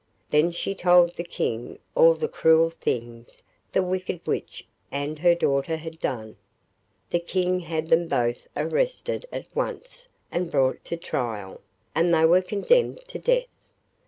Then she told the King all the cruel things the wicked witch and her daughter had done. The King had them both arrested at once and brought to trial, and they were condemned to death.